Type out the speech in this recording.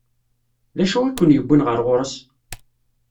D acu i ken-yewwin ɣer ɣur-s?